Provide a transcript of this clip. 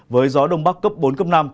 với gió đông bắc cấp bốn năm